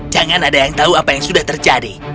jangan ada yang tahu apa yang sudah terjadi